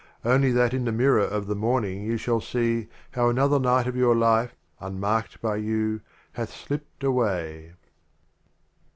Only that in the Mirror of the Morning you shall see How another Night of your Life, Unmarked by you, hath slipped away.